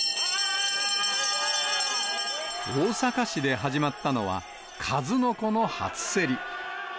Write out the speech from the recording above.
大阪市で始まったのは、カズノコの初競り。